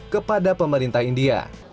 kepada pemerintah india